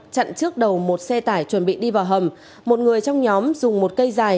chặn trước đầu một xe tải chuẩn bị đi vào hầm một người trong nhóm dùng một cây dài